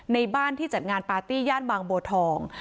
ในบ้านที่จัดงานปาร์ตี้ย่านบางบัวทอง